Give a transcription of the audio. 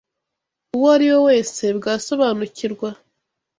Uwo ari we wese bwasobanukirwa